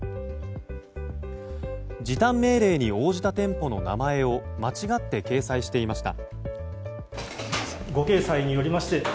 時短命令に応じた店舗の名前を間違って掲載していました。